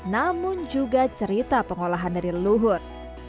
namun juga cerita pengolahan dari leluhur